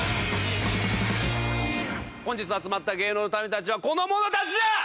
本日集まった芸能の民たちはこの者たちだ！